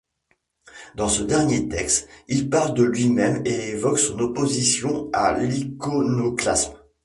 Dans ce dernier texte, il parle de lui-même et évoque son opposition à l'iconoclasme.